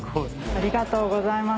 ありがとうございます。